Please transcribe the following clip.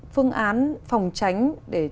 phương án phòng tránh để